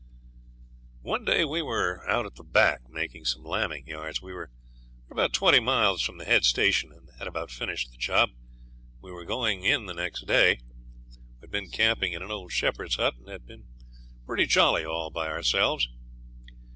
One day we were out at the back making some lambing yards. We were about twenty miles from the head station and had about finished the job. We were going in the next day. We had been camping in an old shepherd's hut and had been pretty jolly all by ourselves.